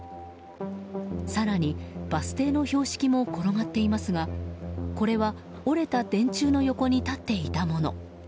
更に、バス停の標識も転がっていますがこれは折れた電柱の横に立っていたもの。